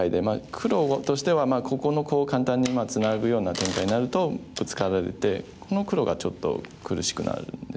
黒としてはここのコウを簡単にツナぐような展開になるとブツカられてこの黒がちょっと苦しくなるんですよね。